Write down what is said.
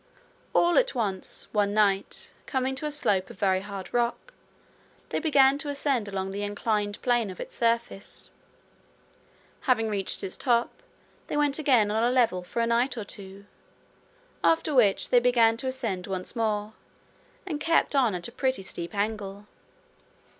All at once, one night, coming to a slope of very hard rock, they began to ascend along the inclined plane of its surface. Having reached its top, they went again on a level for a night or two, after which they began to ascend once more, and kept on at a pretty steep angle.